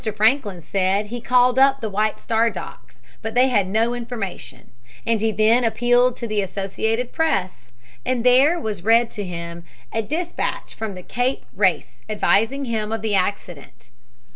Franklin said he called up the White Star docks, but they had no information, and he then appealed to the Associated Press, and there was read to him a dispatch from Cape Race advising him of the accident.